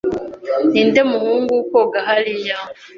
Ninde muhungu koga hariya?